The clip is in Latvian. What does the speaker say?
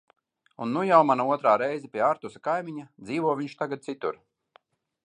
Un nu jau mana otrā reize pie Artusa Kaimiņa, dzīvo viņš tagad citur.